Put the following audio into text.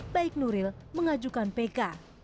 baik nuril mengajukan pk